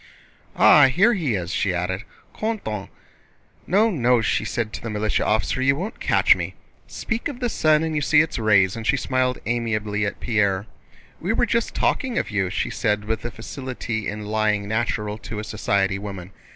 "Ah, here he is!" she added. "Quand on... No, no," she said to the militia officer, "you won't catch me. Speak of the sun and you see its rays!" and she smiled amiably at Pierre. "We were just talking of you," she said with the facility in lying natural to a society woman.